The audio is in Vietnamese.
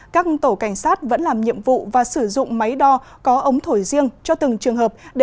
các tổ cảnh sát vẫn làm nhiệm vụ và sử dụng máy đo có ống thổi riêng cho từng trường hợp